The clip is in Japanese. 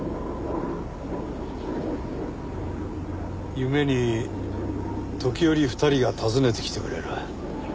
夢に時折２人が訪ねてきてくれる。